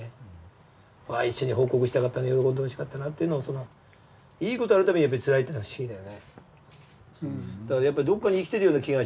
一緒に報告したかったな喜んでほしかったなというのはいい事ある度にやっぱりつらいっていうのは不思議だよね。